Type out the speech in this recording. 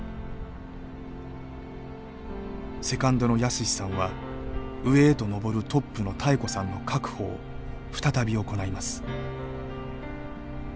セカンドの泰史さんは上へと登るトップの妙子さんの確保を再び行います。